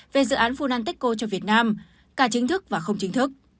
về dự án funantecco cho việt nam cả chính thức và không chính thức